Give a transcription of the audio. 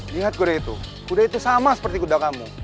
lihat kuda itu kuda itu sama seperti kuda kamu